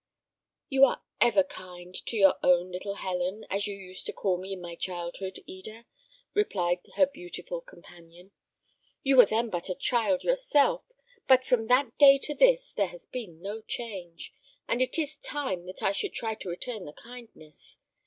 "You are ever kind to your own little Helen, as you used to call me in my childhood, Eda," replied her beautiful companion. "You were then but a child yourself, but from that day to this there has been no change, and it is time that I should try to return the kindness.